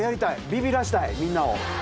ビビらしたいみんなを！